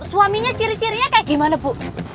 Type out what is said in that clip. suaminya ciri cirinya kayak gimana bu